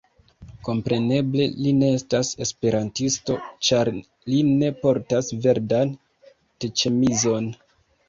Kompreneble li ne estas esperantisto ĉar li ne portas verdan t-ĉemizon.